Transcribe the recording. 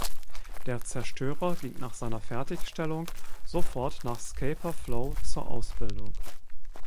Der Zerstörer ging nach seiner Fertigstellung sofort nach Scapa Flow zur Ausbildung.